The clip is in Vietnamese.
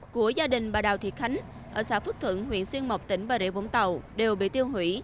của gia đình bà đào thị khánh ở xã phước thuận huyện xuyên mộc tỉnh bà rịa vũng tàu đều bị tiêu hủy